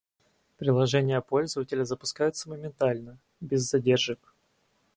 Приложения пользователя запускаются моментально, без задержек